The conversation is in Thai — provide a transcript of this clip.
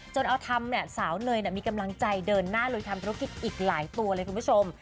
จนเอาทำเนี่ยสาวเนยมีกำลังใจเดินหน้าลุยทำธุรกิจอีกหลายตัวเลยคุณผู้ชม